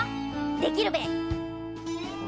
できるべ？